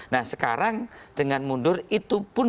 nah sekarang dengan mundur itu pun